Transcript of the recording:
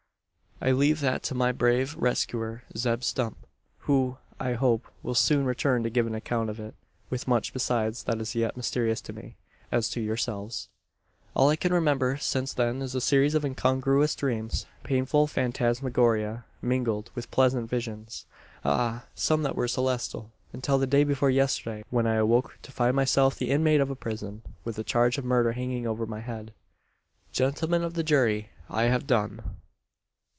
I leave that to my brave rescuer, Zeb Stump; who, I hope, will soon return to give an account of it with much besides that is yet mysterious to me, as to yourselves. "All I can remember since then is a series of incongruous dreams painful phantasmagoria mingled with pleasant visions ah! some that were celestial until the day before yesterday, when I awoke to find myself the inmate of a prison with a charge of murder hanging over my head! "Gentlemen of the jury! I have done."